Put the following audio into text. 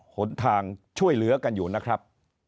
หนทางช่วยเหลือกันอยู่นะครับ